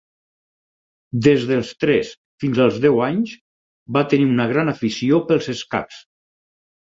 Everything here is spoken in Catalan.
Des dels tres fins als deu anys va tenir una gran afició pels escacs.